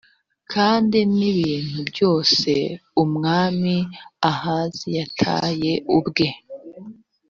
kandi n ibintu byose umwami ahazi yataye ubwo